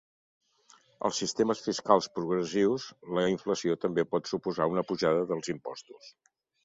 Als sistemes fiscals progressius, la inflació també pot suposar una pujada dels impostos.